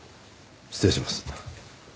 失礼します。